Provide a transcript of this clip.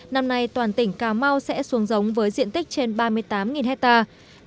năm nay toàn tỉnh cà mau sẽ xuống giống với diện tích trên ba mươi tám hectare